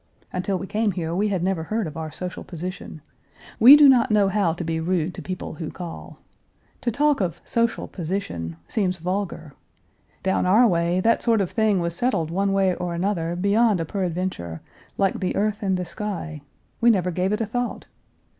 Until we came here, we had never heard of our social position. We do not know how to be rude to people who call. To talk of social position seems vulgar. Down our way, that sort of thing was settled one way or another beyond a peradventure, like the earth and the sky. We never gave it a thought.